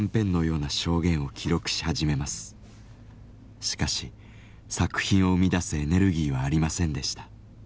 しかし作品を生み出すエネルギーはありませんでした。